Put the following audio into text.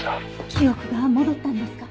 記憶が戻ったんですか？